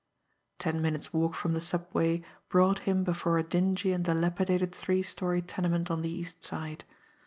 Ten minutes' walk from the subway brought him before a dingy and dilapidated three story tenement on the East Side.